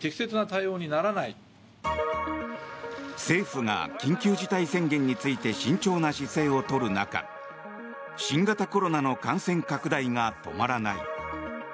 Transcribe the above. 政府が緊急事態宣言について慎重な姿勢を取る中新型コロナの感染拡大が止まらない。